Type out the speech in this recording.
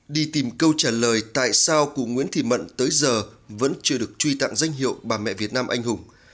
đi tìm câu trả lời tại sao cụ nguyễn thị mận tới giờ vẫn chưa được truy tặng danh hiệu bà mẹ việt nam anh hùng